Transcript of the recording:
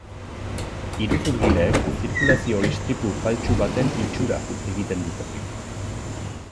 Iruzurgileek zirkulazio-istripu faltsu baten itxura egiten dute.